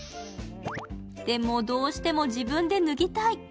でも、どうしても自分で脱ぎたい。